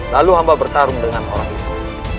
lalu hamba bertarung dengan orang itu